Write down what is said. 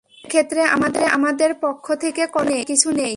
সেক্ষেত্রে আমাদের পক্ষ থেকে করার কিছু নেই।